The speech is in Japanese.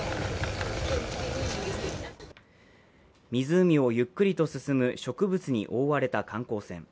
湖をゆっくりと進む植物に覆われた観光船。